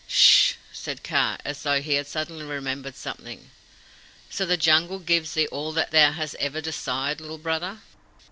"Sssh!" said Kaa, as though he had suddenly remembered something. "So the Jungle gives thee all that thou hast ever desired, Little Brother?"